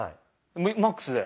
マックスで。